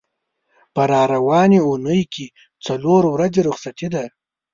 په را روانې اوونۍ کې څلور ورځې رخصتي ده.